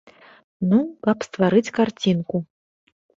Ну, каб стварыць карцінку.